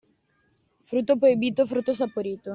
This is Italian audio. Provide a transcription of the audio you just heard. Frutto proibito, frutto saporito.